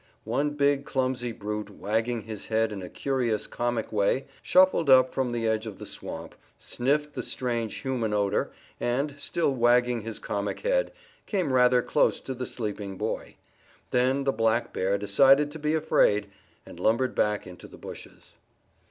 One big clumsy brute, wagging his head in a curious, comic way, shuffled up from the edge of the swamp, sniffed the strange human odor, and, still wagging his comic head, came rather close to the sleeping boy. Then the black bear decided to be afraid, and lumbered back into the bushes.